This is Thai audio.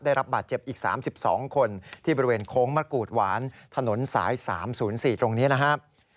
ได้รับบาดเจ็บอีก๓๒คนที่บริเวณโค้งมะกรูดหวานถนนสาย๓๐๔ตรงนี้นะครับ